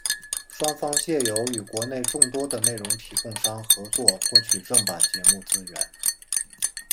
双方藉由与国内众多的内容提供商合作获取正版节目资源。